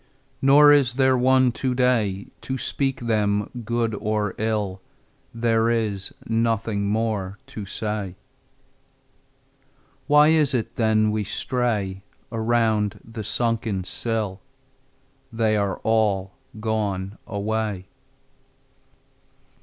Nor is there one today To speak them good or ill: There is nothing more to say. Why is it then we stray Around the sunken sill? They are all gone away.